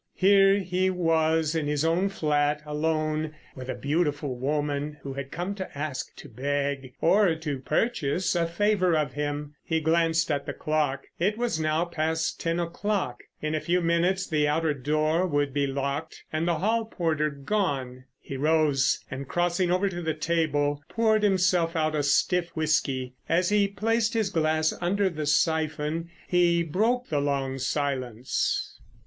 Here he was in his own flat, alone, with a beautiful woman who had come to ask, to beg, or to purchase a favour of him! He glanced at the clock; it was now past ten o'clock. In a few minutes the outer door would be locked and the hall porter gone! He rose, and, crossing over to the table, poured himself out a stiff whisky. As he placed his glass under the syphon he broke the long silence.